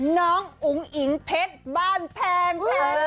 น้องอุ๋งอิงเพชรบ้านแพง